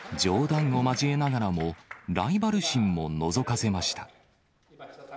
冗談を交えながらも、ライバル心ものぞかせました。